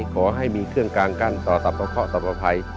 ขอให้มีเครื่องกลางกั้นต่อสัพพะข้อสัพพะภัย